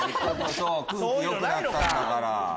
空気良くなったんだから。